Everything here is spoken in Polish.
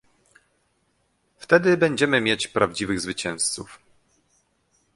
Wtedy będziemy mieć prawdziwych zwycięzców